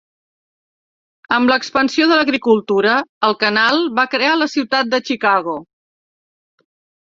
Amb l'expansió de l'agricultura, el canal va crear la ciutat de Chicago.